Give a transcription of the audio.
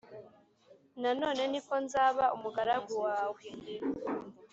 na none ni ko nzaba umugaragu wawe.’